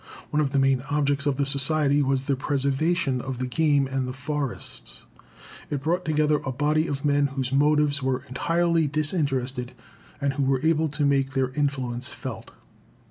One of the main objects of the society was the preservation of the game and the forests. It brought together a body of men whose motives were entirely disinterested, and who were able to make their influence felt.